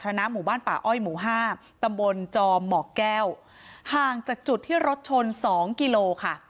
นะหมู่บ้านป่าอ้อยหมู่ห้าตำบลจอมหมอกแก้วห่างจากจุดที่รถชน๒กิโลค่ะ